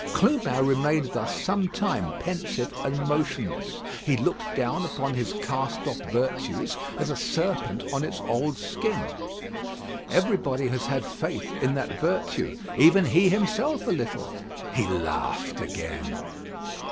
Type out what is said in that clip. Clubin remained thus some time pensive and motionless. He looked down upon his cast off virtues as a serpent on its old skin. Everybody had had faith in that virtue; even he himself a little. He laughed again.